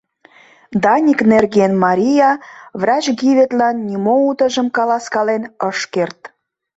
Даник нерген Мария врач Гиветлан нимо утыжым каласкален ыш керт.